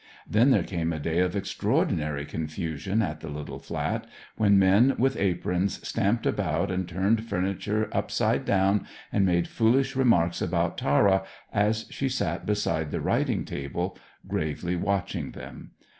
Then there came a day of extraordinary confusion at the little flat, when men with aprons stamped about and turned furniture upside down, and made foolish remarks about Tara, as she sat beside the writing table gravely watching them.